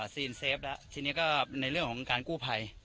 ซีนเซฟแล้วทีนี้ก็ในเรื่องของการกู้ภัย